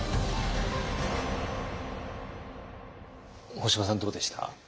干場さんどうでした？